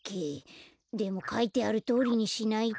でもかいてあるとおりにしないと。